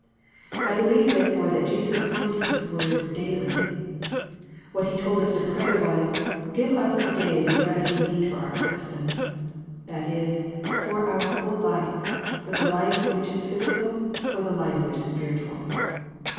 I believe therefore that Jesus coined this word " daily." What He told us to pray was, " Give us to day the bread we need for our existence "; that is, for our whole life, for the life which is physical, for the life which is spiritual.